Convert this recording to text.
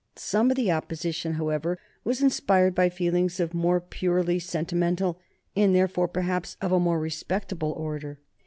Some of the opposition, however, was inspired by feelings of a more purely sentimental, and therefore perhaps of a more respectable order.